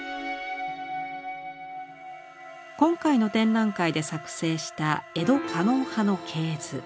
今回の展覧会で作成した江戸狩野派の系図。